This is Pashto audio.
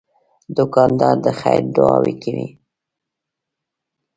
دوکاندار د خیر دعاوې کوي.